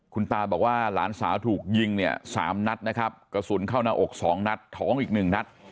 คุณตาบอกว่าหลานสาวถูกยิงเนี่ย๓นัดนะครับกระสุนเข้าหน้าอกสองนัดท้องอีกหนึ่งนัด